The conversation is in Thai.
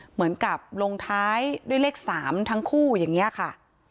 เหมือนกับลงท้ายด้วยเลข๓ทั้งคู่อย่างนี้ค่ะ